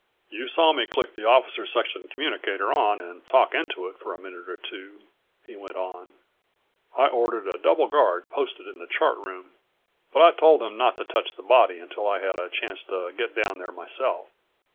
"You saw me click the officer section communicator on and talk into it for a minute or two," he went on. "I ordered a double guard posted in the Chart Room, but I told them not to touch the body until I had a chance to get down there myself.